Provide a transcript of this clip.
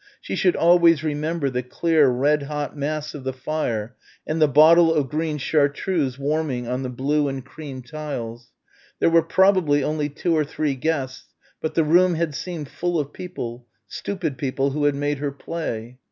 She should always remember the clear red hot mass of the fire and the bottle of green Chartreuse warming on the blue and cream tiles. There were probably only two or three guests, but the room had seemed full of people, stupid people who had made her play.